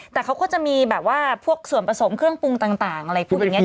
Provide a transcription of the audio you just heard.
แต่เขาก็จะมีแบบว่าพวกส่วนผสมเครื่องปรุงต่างอะไรพวกนี้